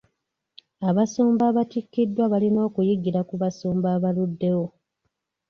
Abasumba abatikkiddwa balina okuyigira ku basumba abaluddewo.